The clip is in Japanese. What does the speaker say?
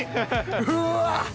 うわ。